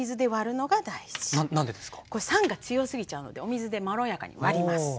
酸が強すぎちゃうのでお水でまろやかに割ります。